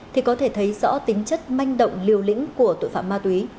thì có thể thấy rõ tính chất manh động liều lĩnh của tội phạm ma túy